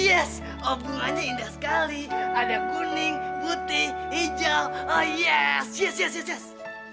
yes oh bunganya indah sekali ada kuning putih hijau oh yes yes yes yes